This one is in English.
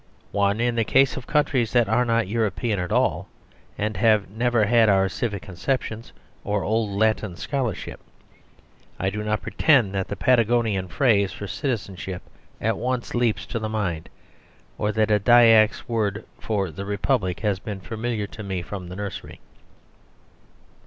(1) In the case of countries that are not European at all, and have never had our civic conceptions, or the old Latin scholarship. I do not pretend that the Patagonian phrase for "citizenship" at once leaps to the mind, or that a Dyak's word for "the Republic" has been familiar to me from the nursery.